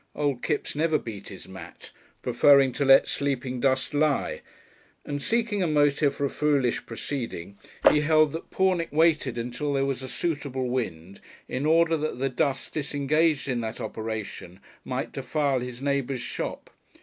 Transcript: Old Kipps never beat his mat, preferring to let sleeping dust lie; and, seeking a motive for a foolish proceeding, he held that Pornick waited until there was a suitable wind in order that the dust disengaged in that operation might defile his neighbour's shop.